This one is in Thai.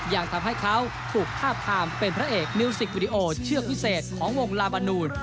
ยังทำให้เขาถูกทาบทามเป็นพระเอกมิวสิกวิดีโอเชือกวิเศษของวงลาบานูน